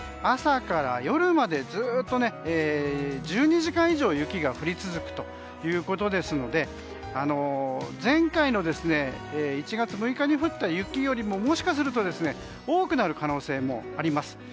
朝から夜までずっと１２時間以上雪が降り続くということですので前回の１月６日に降った雪よりももしかすると多くなる可能性もあります。